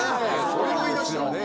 それを言い出したらね。